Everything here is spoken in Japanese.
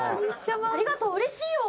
ありがとううれしいよ。